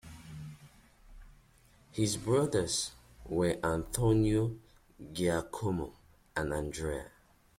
His brothers were Antonio, Giacomo and Andrea.